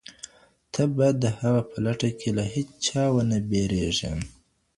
ته باید د حق په لټه کي له هېچا ونه بېرېږې.